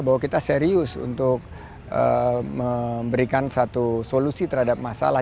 bahwa kita serius untuk memberikan satu solusi terhadap masalah